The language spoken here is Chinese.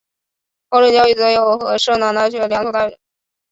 高等教育则有和摄南大学两所大学。